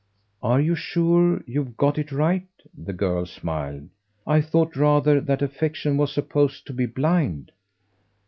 "Are you sure you've got it right?" the girl smiled. "I thought rather that affection was supposed to be blind."